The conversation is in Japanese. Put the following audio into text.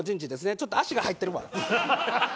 ちょっと足が入ってるわ。